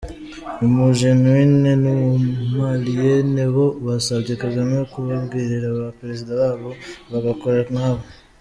-Umuguinéen n’umumalienne bo basabye Kagame kubabwirira ba Perezida babo bagakora nkawe!